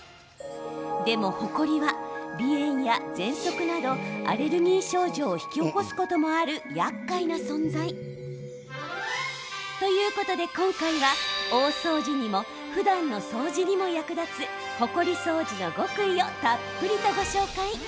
でも、ほこりは鼻炎やぜんそくなどアレルギー症状を引き起こすこともあるやっかいな存在。ということで今回は大掃除にもふだんの掃除にも役立つほこり掃除の極意をたっぷりと、ご紹介。